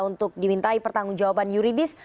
untuk dimintai pertanggung jawaban yuridis